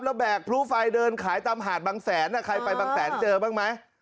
แล้วแบกพลุไฟเดินขายตามหาดบางแสนใครไปบางแสนเจอบ้างไหม